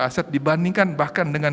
assets dibandingkan bahkan dengan